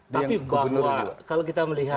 tapi bahwa kalau kita melihat